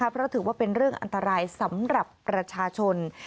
เพราะถือว่าเป็นเรื่องอันตรายสำหรับประชาชน